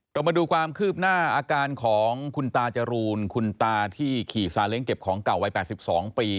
มาดูความคืบหน้าอาการของคุณตาจรูนคุณตาที่ขี่ซาเล้งเก็บของเก่าวัย๘๒ปี